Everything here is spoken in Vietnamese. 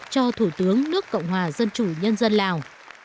cho thủ tướng nước cộng hòa dân chủ nhân dân lào